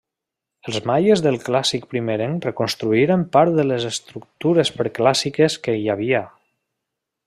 Els maies del clàssic primerenc reconstruïren part de les estructures preclàssiques que hi havia.